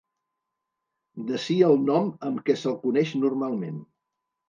D'ací el nom amb què se'l coneix normalment.